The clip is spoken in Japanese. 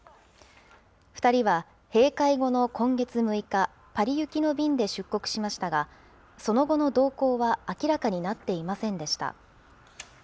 ２人は閉会後の今月６日、パリ行きの便で出国しましたが、その後の動向は明らかになっていませんでした。